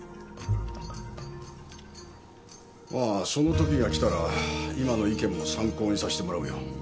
まあそのときが来たら今の意見も参考にさしてもらうよ。